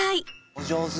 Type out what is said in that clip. お上手！